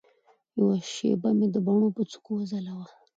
یوه شېبه مي د باڼو پر څوکه وځلوه